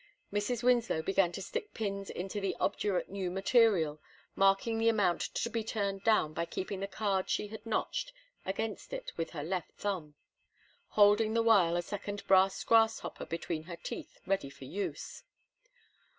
Mrs. Winslow began to stick pins into the obdurate new material, marking the amount to be turned down by keeping the card she had notched against it with her left thumb, holding the while a second brass grasshopper between her teeth, ready for use.